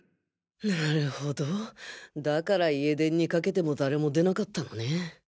なるほどだから家電にかけても誰も出なかったのね